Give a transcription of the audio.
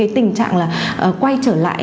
tình trạng quay trở lại